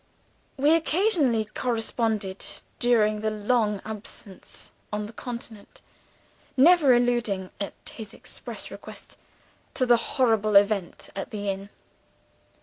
We occasionally corresponded, during the long absence on the continent; never alluding, at his express request, to the horrible event at the inn.